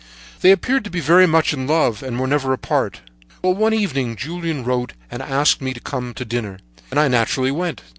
"They appeared to be very much in love, and were never apart. "Well, one evening Julien wrote and asked me to go to dinner, and I naturally went.